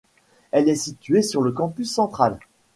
Elle est située sur le campus central.